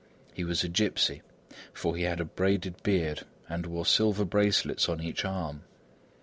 He was a gipsy for he had a braided beard and wore silver bracelets on each arm.